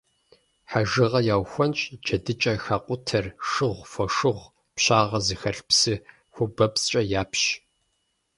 Хьэжыгъэр яухуэнщӏ, джэдыкӏэр хакъутэр шыгъу, фошыгъу, пщагъэ зыхэлъ псы хуабэпцӏкӏэ япщ.